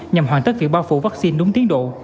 nhằm hoàn tất việc bao phủ vaccine đúng tiến độ